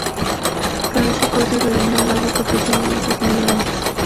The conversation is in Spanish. Cabeza corta y redondeada, boca pequeña y ojos muy grandes.